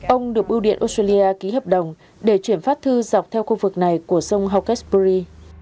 ông được bưu điện australia ký hợp đồng để chuyển phát thư dọc theo khu vực này của sông hawkesbury